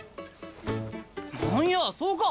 何やそうか。